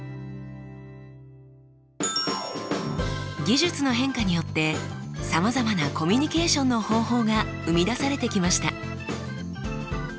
技術の変化によってさまざまなコミュニケーションの方法が生み出されてきました。